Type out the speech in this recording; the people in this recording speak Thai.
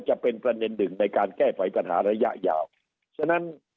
จะเป็นประเด็นหนึ่งในการแก้ไขปัญหาระยะยาวฉะนั้น